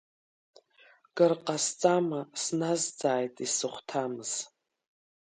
Кыр ҟасҵама, сназҵааит, исыхәҭамыз?